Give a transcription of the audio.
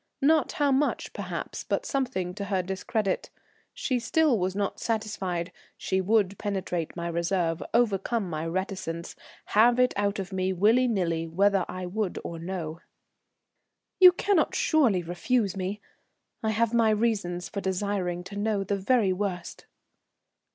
Not how much, perhaps, but something to her discredit. She still was not satisfied; she would penetrate my reserve, overcome my reticence, have it out of me willy nilly, whether I would or no. "You cannot surely refuse me? I have my reasons for desiring to know the very worst."